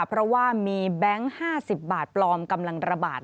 เพราะว่ามีแบงค์๕๐บาทปลอมกำลังระบาด